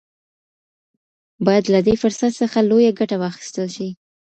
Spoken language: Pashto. باید له دې فرصت څخه لویه ګټه واخیستل شي.